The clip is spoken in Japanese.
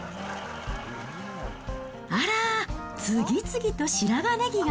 あらー、次々と白髪ネギが。